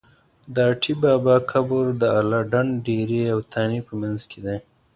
د اټی بابا قبر د اله ډنډ ډېری او تانې په منځ کې دی.